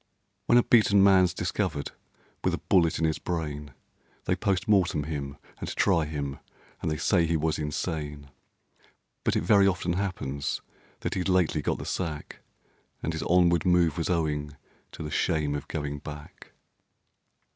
When a beaten man's discovered with a bullet in his brain, They POST MORTEM him, and try him, and they say he was insane; But it very often happens that he'd lately got the sack, And his onward move was owing to the shame of going back.